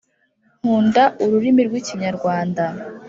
Nkunda ururimi rw’ikinyarwanda